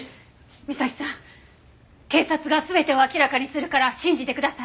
みさきさん警察が全てを明らかにするから信じてください。